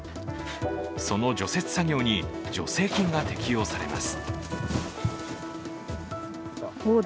その除雪作業に助成金が適用されます。